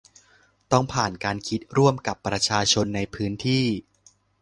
ต้องผ่านการคิดร่วมกับประชาชนในพื้นที่